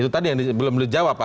itu tadi yang belum dijawab pak